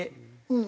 うん。